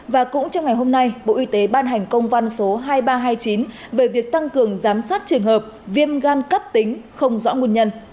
và cũng trong ngày hôm nay bộ y tế ban hành công văn số hai nghìn ba trăm hai mươi chín về việc tăng cường giám sát trường hợp viêm gan cấp tính không rõ nguồn nhân